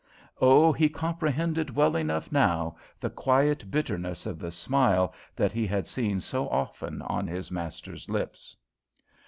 Oh, he comprehended well enough now the quiet bitterness of the smile that he had seen so often on his master's lips!